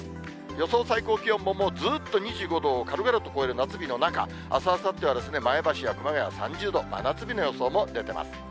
予想最高気温ももうずっと２５度を軽々と超える夏日の中、あす、あさっては前橋や熊谷３０度、真夏日の予想も出てます。